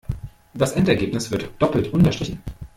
Das Endergebnis wird doppelt unterstrichen.